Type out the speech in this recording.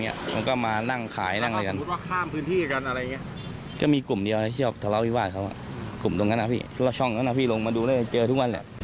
เยี่ยมบรรพ์บริเวฟควักค่าวะคุมต้นมันอาวุธรช่องแล้วพี่ลงมาดูแล้วเจอทุกวันแหละ